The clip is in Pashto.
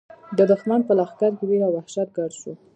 د دښمن په لښکر کې وېره او وحشت ګډ شو.